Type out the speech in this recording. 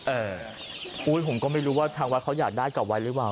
อุ้ยผมก็ไม่รู้ว่าทางวัดเขาอยากได้กลับไว้หรือเปล่า